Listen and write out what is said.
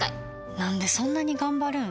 なんでそんなに頑張るん？